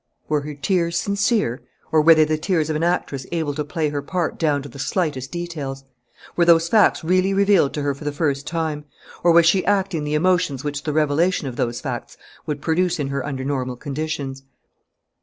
Were her tears sincere? Or were they the tears of an actress able to play her part down to the slightest details? Were those facts really revealed to her for the first time? Or was she acting the emotions which the revelation of those facts would produce in her under natural conditions?